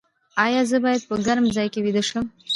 ایا زه باید په ګرم ځای کې ویده شم؟